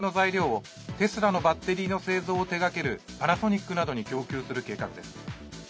ＥＶ年間１００万台分の材料をテスラのバッテリーの製造を手がけるパナソニックなどに供給する計画です。